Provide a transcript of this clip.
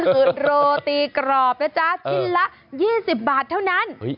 คือโรตีกรอบนะจ๊ะชิ้นละ๒๐บาทเท่านั้น